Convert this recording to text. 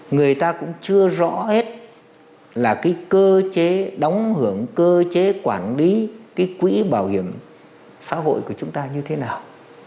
người ta cũng chưa rõ hết là cái cơ chế đóng hưởng cơ chế quản lý cái quỹ bảo hiểm xã hội của chúng ta như thế nào